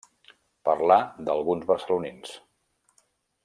Parlar d'alguns barcelonins.